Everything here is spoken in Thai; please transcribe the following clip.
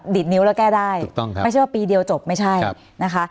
ดิดนิ้วแล้วก็แก้ได้ไม่ใช่ว่าปีเดียวจบไม่ใช่นะคะ